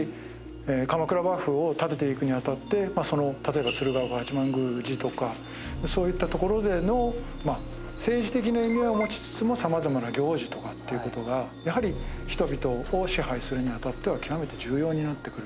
例えば鶴岡八幡宮寺とかそういった所での政治的な意味合いを持ちつつも様々な行事とかっていう事がやはり人々を支配するにあたっては極めて重要になってくる。